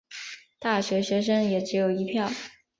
大学学生也只有一票